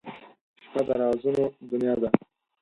• شپه د رازونو دنیا ده.